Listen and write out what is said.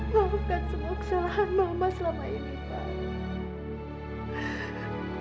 maafkan semua kesalahan mama selama ini pak